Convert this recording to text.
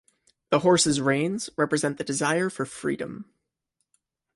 The horse's reins represent the desire for freedom.